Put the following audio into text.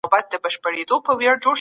ځوانان باید په اقتصادي پروسو کي شریک سي.